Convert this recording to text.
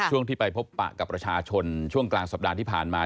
ช่วงที่ไปพบปะกับประชาชนช่วงกลางสัปดาห์ที่ผ่านมา